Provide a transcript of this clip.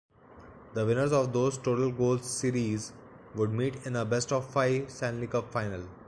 The winners of those total-goals series would meet in a best-of-five Stanley Cup final.